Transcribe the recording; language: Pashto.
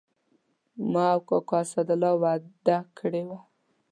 ما او کاکا اسدالله وعده کړې وه.